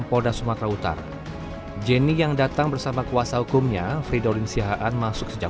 polda sumatera utara jenny yang datang bersama kuasa hukumnya fridorin sihaan masuk sejak